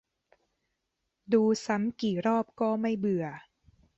ดูซ้ำกี่รอบก็ไม่เบื่อ